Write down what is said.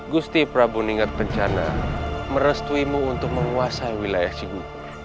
gusti prabu ningat kencana merestuimu untuk menguasai wilayah siku